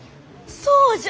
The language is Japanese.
そうじゃ！